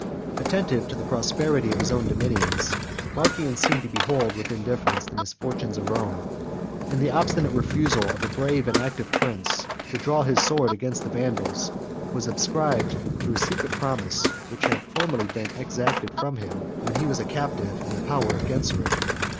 65 Attentive to the prosperity of his own dominions, Marcian seemed to behold, with indifference, the misfortunes of Rome; and the obstinate refusal of a brave and active prince, to draw his sword against the Vandals, was ascribed to a secret promise, which had formerly been exacted from him when he was a captive in the power of Genseric.